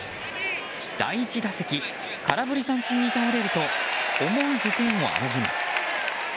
第１打席、空振り三振に倒れると思わず天を仰ぎます。